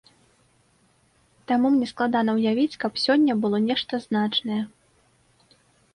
Таму мне складана ўявіць, каб сёння было нешта значнае.